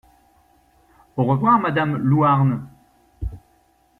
Au revoir madame Louarn.